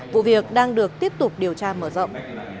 vụ việc đang được tiếp tục điều tra mở rộng